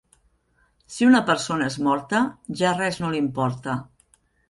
Si una persona és morta, ja res no l'importa.